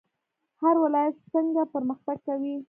هر ولایت څنګه پرمختګ کوي؟